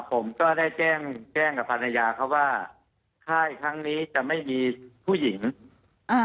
ผมก็ได้แจ้งแจ้งกับภรรยาเขาว่าค่ายครั้งนี้จะไม่มีผู้หญิงอ่า